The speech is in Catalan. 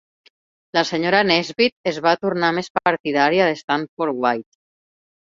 La senyora Nesbit es va tornar més partidària de Stanford White.